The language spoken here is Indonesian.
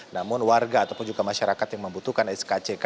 namun warga ataupun juga masyarakat yang membutuhkan skck